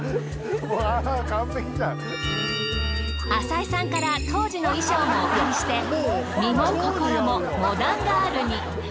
淺井さんから当時の衣装もお借りして身も心もモダンガールに。